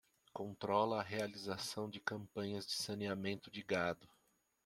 Controla a realização de campanhas de saneamento de gado.